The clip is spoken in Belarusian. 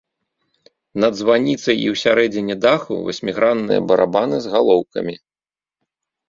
Над званіцай і ў сярэдзіне даху васьмігранныя барабаны з галоўкамі.